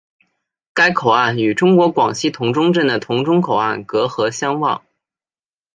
该口岸与中国广西峒中镇的峒中口岸隔河相望。